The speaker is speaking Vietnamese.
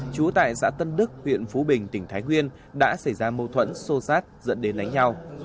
trú tại xã tân đức huyện phú bình tỉnh thái nguyên đã xảy ra mâu thuẫn sô sát dẫn đến đánh nhau